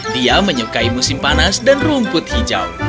dia menyukai musim panas dan rumput hijau